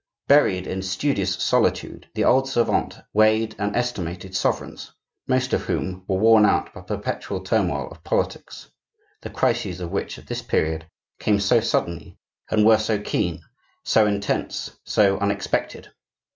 Buried in studious solitude, the old savant weighed and estimated sovereigns, most of whom were worn out by the perpetual turmoil of politics, the crises of which at this period came so suddenly and were so keen, so intense, so unexpected.